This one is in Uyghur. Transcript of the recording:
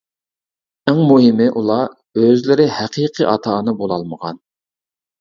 ئەڭ مۇھىمى، ئۇلار ئۆزلىرى ھەقىقىي ئاتا-ئانا بولالمىغان.